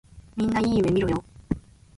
みんないい夢みろよ。